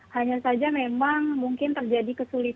hanya saja memang mungkin terjadi kesulitan